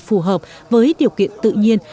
phù hợp với điều kiện tự nhiên